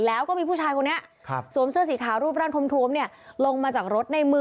แล้วก็มีผู้ชายคนนี้สวมเสื้อสีขาวรูปร่างทวมลงมาจากรถในมือ